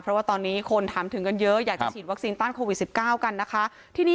เพราะว่าตอนนี้คนถามถึงกันเยอะอยากจะฉีดวัคซีนต้านโควิด๑๙กันนะคะ